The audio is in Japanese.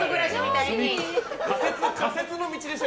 仮設の道でしょ？